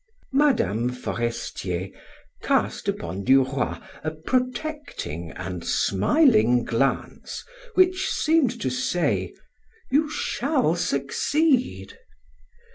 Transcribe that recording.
Mme. Forestier cast upon Duroy a protecting and smiling glance which seemed to say: "You shall succeed."